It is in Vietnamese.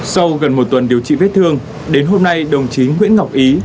sau gần một tuần điều trị vết thương đến hôm nay đồng chí nguyễn ngọc ý